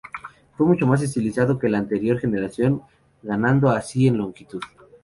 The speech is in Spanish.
Fue mucho más estilizado que la anterior generación ganando así en longitud.